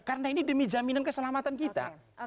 karena ini demi jaminan keselamatan kita